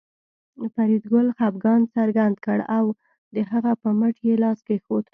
فریدګل خپګان څرګند کړ او د هغه په مټ یې لاس کېښود